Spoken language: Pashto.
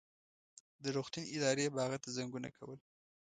د روغتون ادارې به هغه ته زنګونه کول.